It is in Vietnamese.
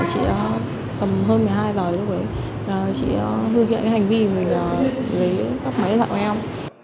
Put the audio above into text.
chị tầm hơn một mươi hai h lúc ấy chị vừa hiện cái hành vi mình gây gấp máy gặp em